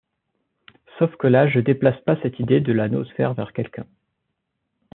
Sauf que là je déplace pas cette idée de la noosphère vers quelqu’un.